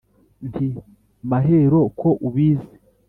Nti: Mahero ko ubizi